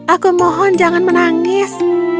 aku mohon jangan menangis